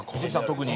特に。